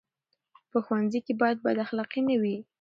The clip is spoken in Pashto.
په ښوونځي کې باید بد اخلاقي نه وي.